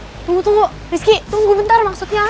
tunggu tunggu rizky tunggu bentar maksudnya